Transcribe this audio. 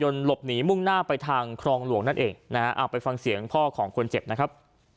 หลบหนีมุ่งหน้าไปทางครองหลวงนั่นเองนะฮะเอาไปฟังเสียงพ่อของคนเจ็บนะครับ